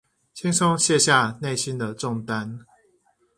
輕鬆卸下內心的重擔